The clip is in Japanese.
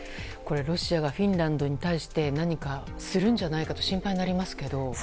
ロシアがフィンランドに対して何かするんじゃないかと心配になりますけど。